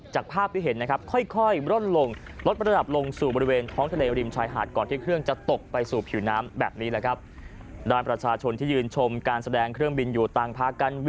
จากภาพที่เห็นค่อย